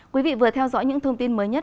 quý vị vừa theo dõi những thông tin mới nhất